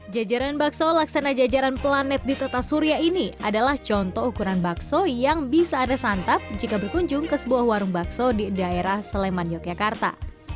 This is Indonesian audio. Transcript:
jajaran bakso laksana jajaran planet di teta surya ini adalah contoh ukuran bakso yang bisa anda santap jika berkunjung ke sebuah warung bakso di daerah sleman yogyakarta